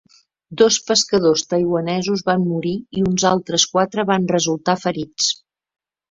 Dos pescadors taiwanesos van morir i uns altres quatre van resultar ferits.